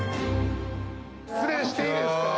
失礼していいですか？